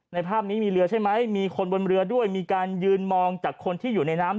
ภาพนี้มีเรือใช่ไหมมีคนบนเรือด้วยมีการยืนมองจากคนที่อยู่ในน้ำ